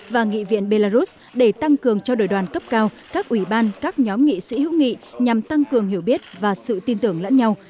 và nghị viện belarus để tăng cường cho đổi đoàn cấp cao các ủy ban các nhóm nghị sĩ hữu nghị nhằm tăng cường hiểu biết và sự tin tưởng lẫn nhau